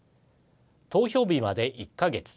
投票日まで１か月。